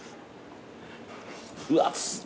うわ熱っ。